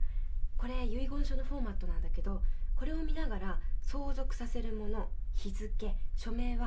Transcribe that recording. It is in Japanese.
これ遺言書のフォーマットなんだけどこれを見ながら相続させる物日付署名はすべて自筆で書いてください。